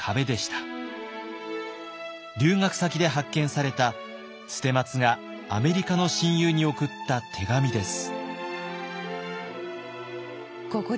留学先で発見された捨松がアメリカの親友に送った手紙です。